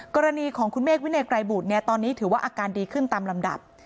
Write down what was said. กรณีของคุณเมฆวินัยไกรบุตรเนี่ยตอนนี้ถือว่าอาการดีขึ้นตามลำดับ